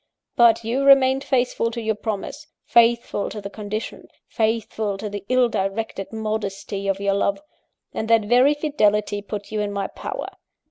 But you remained faithful to your promise, faithful to the condition, faithful to the ill directed modesty of your love; and that very fidelity put you in my power.